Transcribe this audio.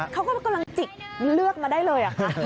เขากำลังจิกเลือกมาได้เลย